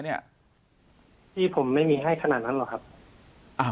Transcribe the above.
พี่ผมไม่มีให้ขนาดนั้นหรอกครับอ่า